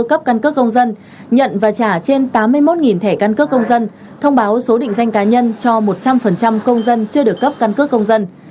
cấp căn cước công dân nhận và trả trên tám mươi một thẻ căn cước công dân thông báo số định danh cá nhân cho một trăm linh công dân chưa được cấp căn cước công dân